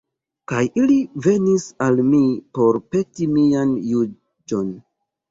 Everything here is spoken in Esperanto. Kaj ili venis al mi por peti mian juĝon.